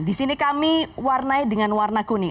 disini kami warnai dengan warna kuning